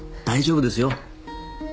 大丈夫ですよ。